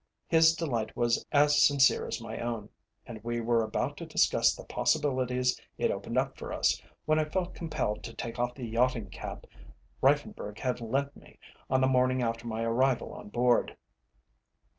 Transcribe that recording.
His delight was as sincere as my own, and we were about to discuss the possibilities it opened up for us, when I felt compelled to take off the yachting cap Reiffenburg had lent me on the morning after my arrival on board.